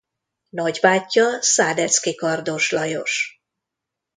Nagybátyja Szádeczky-Kardoss Lajos.